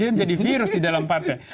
dia menjadi virus di dalam partai